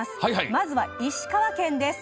まずは石川県です。